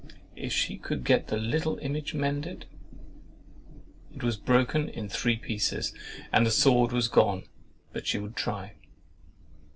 If she could get THE LITTLE IMAGE mended? "It was broken in three pieces, and the sword was gone, but she would try."